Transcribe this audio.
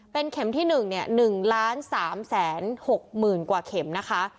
เป็นเข็มที่๑๑๓๖๐๐๐กว่าเข็มนะคะ